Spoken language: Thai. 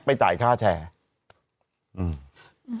ไปจ่ายค่าแชร์อืม